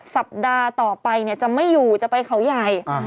สัปดาห์ต่อไปจะไม่อยู่จะไปเขาใหญ่